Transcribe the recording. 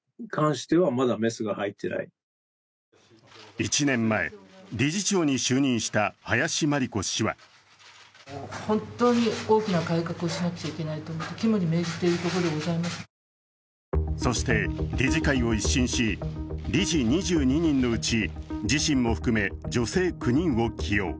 １年前、理事長に就任した林真理子氏はそして理事会を一新し理事２２人のうち自身も含め女性９人を起用。